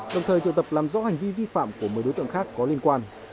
đồng thời triệu tập làm rõ hành vi vi phạm của một mươi đối tượng khác có liên quan